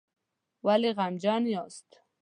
ولې غمجن یاست؟